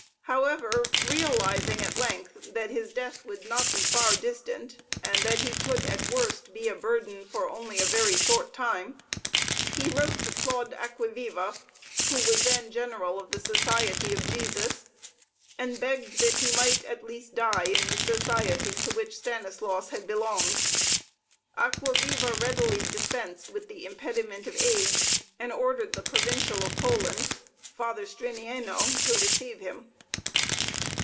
However, realizing at length that his death could not be far distant, and that he could at worst be a burden for only a very short time, he wrote to Claude Acquaviva, who was then General of the Society of Jesus, and begged that he might at least die in the Society to which Stanislaus had belonged. Acquaviva readily dispensed with the impediment of age and ordered the Provincial of Poland, Father Strinieno, to receive him.